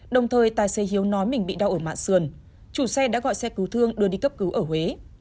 đồng thời tài xế hiếu nói mình bị đau ở mạng sườn chủ xe đã gọi xe cứu thương đưa đi cấp cứu ở huế